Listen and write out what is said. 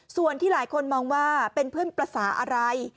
ส่วนที่หลายคนมองว่าเป็นเพื่อนภาษาอะไร